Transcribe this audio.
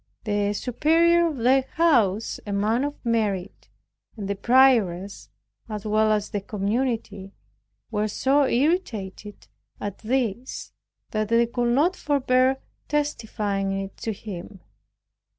The superior of the house, a man of merit, and the prioress, as well as the community, were so irritated at this, that they could not forbear testifying it to him.